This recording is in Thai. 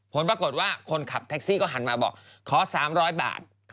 ผลปรากฏว่าคนขับแท็กซี่ก็หันมาบอกขอ๓๐๐บาท